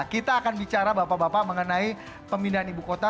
kita akan bicara bapak bapak mengenai pemindahan ibu kota